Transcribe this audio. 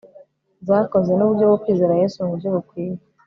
zakoze nuburyo bwo kwizera Yesu muburyo bukwiye